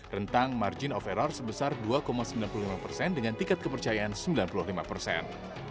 rentang margin of error sebesar dua sembilan puluh lima persen dengan tingkat kepercayaan sembilan puluh lima persen